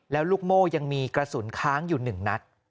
แล้วลูกโม่ยังมีกระสุนค้างอยู่๑นัด